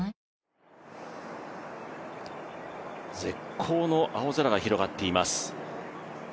絶好の青空が広がっています。